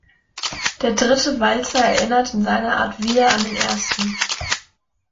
Der dritte Walzer erinnert in seiner Art wieder an den ersten.